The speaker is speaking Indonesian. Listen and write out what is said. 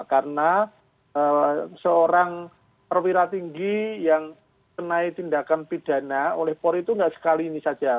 karena seorang perwira tinggi yang tenai tindakan pidana oleh polri itu nggak sekali ini saja